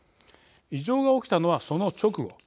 異常が起きたのはその直後。